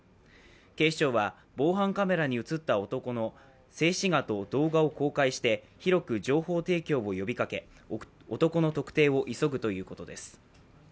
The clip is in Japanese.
警視庁は防犯カメラに映った男の静止画と動画を公開して広く情報提供を呼びかけ男の特定を急ぐということです。